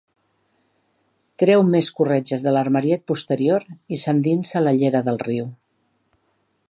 Treu més corretges de l'armariet posterior i s'endinsa a la llera del riu.